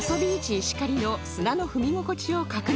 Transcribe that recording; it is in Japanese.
石狩の砂の踏み心地を確認します